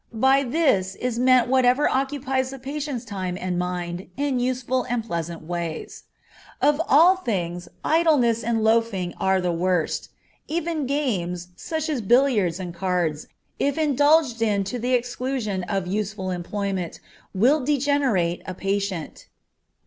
_ By this is meant whatever occupies the patient's time and mind, in useful and pleasant ways. Of all things idleness and loafing are the worst; even games, such as billiards and cards, if indulged in to the exclusion of useful employment, will degenerate a patient.